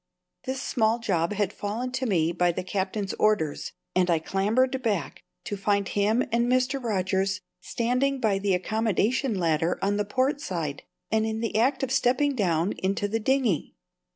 This small job had fallen to me by the Captain's orders, and I clambered back, to find him and Mr. Rogers standing by the accommodation ladder on the port side, and in the act of stepping down into the dinghy.